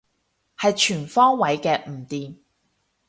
係全方位嘅唔掂